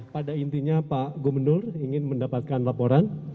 pada intinya pak gubernur ingin mendapatkan laporan